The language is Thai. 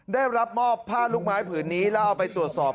ได้รับมอบผ้าลูกไม้ผืนนี้แล้วเอาไปตรวจสอบ